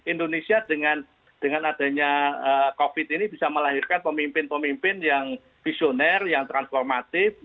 indonesia dengan adanya covid ini bisa melahirkan pemimpin pemimpin yang visioner yang transformatif